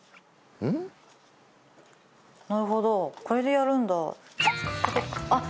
なるほどこれでやるんだあっ